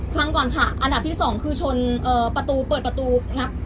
ไปคั้นก่อนค่ะอันดับที่สองคืออ่าประตูเปิดประตูงับ